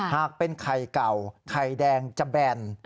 หากเป็นไข่เก่าไข่แดงจะแบน